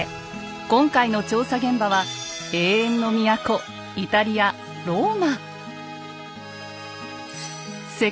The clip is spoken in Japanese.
今回の調査現場は永遠の都イタリアローマ。